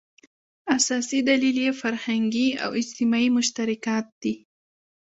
اساسي دلیل یې فرهنګي او اجتماعي مشترکات دي.